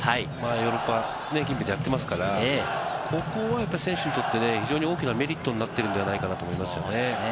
ヨーロッパ近辺でやっていますから、ここは選手にとって非常に大きなメリットになっているんじゃないかと思いますね。